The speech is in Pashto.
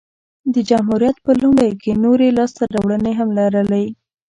د جمهوریت په لومړیو کې نورې لاسته راوړنې هم لرلې